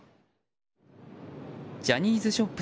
ジャニーズショップ